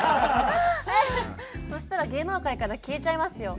そしたら芸能界から消えちゃいますよ。